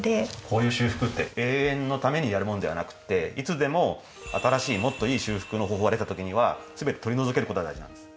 こういう修復って永遠のためにやるものではなくていつでも新しいもっといい修復の方法が出た時には全て取り除けることが大事なんです。